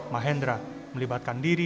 mahendra melibatkan diri